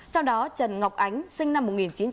trong đó trần ngọc ánh sinh năm một nghìn chín trăm bảy mươi bốn